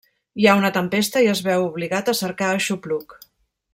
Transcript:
Hi ha una tempesta i es veu obligat a cercar aixopluc.